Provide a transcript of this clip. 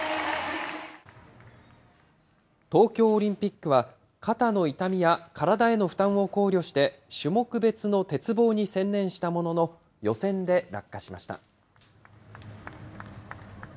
東京オリンピックは肩の痛みや体への負担を考慮して、種目別の鉄棒に専念したものの、予選で落下しました。